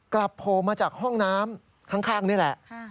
โผล่มาจากห้องน้ำข้างนี่แหละ